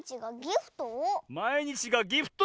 「まいにちがギフト」？